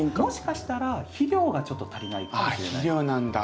もしかしたら肥料がちょっと足りないかもしれない。